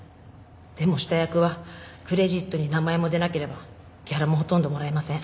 でも下訳はクレジットに名前も出なければギャラもほとんどもらえません。